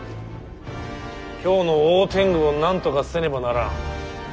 京の大天狗をなんとかせねばならん。